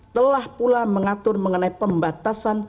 telah pula mengatur mengenai pembatasan